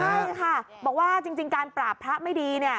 ใช่ค่ะบอกว่าจริงการปราบพระไม่ดีเนี่ย